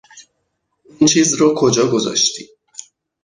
اون چیز رو کجا گذاشتی؟